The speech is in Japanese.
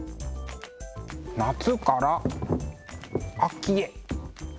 夏から秋へ！